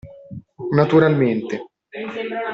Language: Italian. Naturalmente.